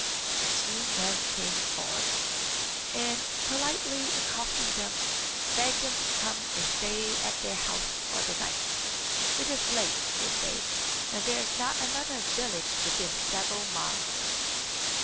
The two men came forward, and, politely accosting them, begged them to come and stay at their house for the night. "It is late," they said, "and there is not another village within several miles."